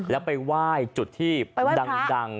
แล้วไปไหว้จุดที่ดัง